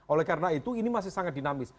oleh karena itu ini masih sangat dinamis